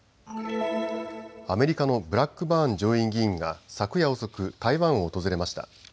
アメリカのブラックバーン上院議員が昨夜遅く台湾を訪れました。